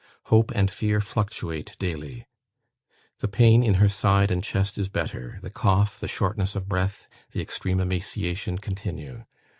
Hope and fear fluctuate daily. The pain in her side and chest is better; the cough, the shortness of breath, the extreme emaciation continue.